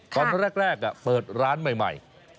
ตอนแรกเปิดร้านใหม่